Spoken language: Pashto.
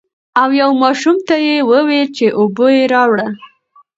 او يو ماشوم ته يې ووې چې اوبۀ راوړه ـ